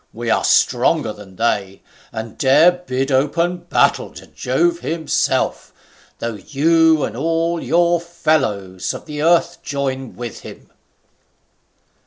We are stronger than they, and dare bid open battle to Jove himself, though you and all your fellows of the earth join with him."